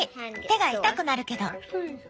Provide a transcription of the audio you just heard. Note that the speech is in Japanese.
手が痛くなるけど。